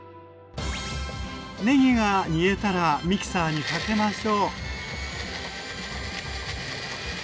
ねぎが煮えたらミキサーにかけましょう。